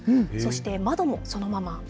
そして窓もそのまま。